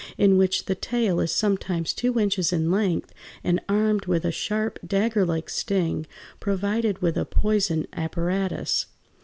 168), in which the tail is sometimes two inches in length and armed with a sharp, daggerlike sting, provided with a poison apparatus.